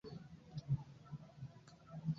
Interne estas okulfrapaj la lignaj skulptaĵoj.